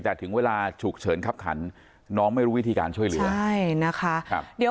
แต่ถึงเวลาฉุกเฉินคับขันน้องไม่รู้วิธีการช่วยเหลือใช่นะคะ